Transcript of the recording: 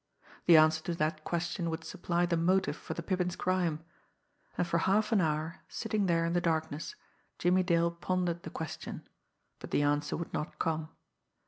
The answer to that question would supply the motive for the Pippin's crime, and for half an hour, sitting there in the darkness, Jimmie Dale pondered the question, but the answer would not come.